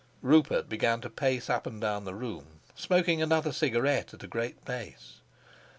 Rupert began to pace up and down the room, smoking another cigarette at a great pace.